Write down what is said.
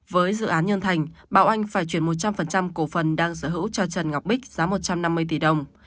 với dự án nhân thành bảo anh phải chuyển một trăm linh cổ phần đang sở hữu cho trần ngọc bích giá một trăm năm mươi tỷ đồng